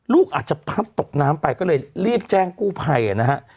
ลูกอาจจะพลัดตกน้ำไปก็เลยรีบแจ้งกู้ภัยนะฮะ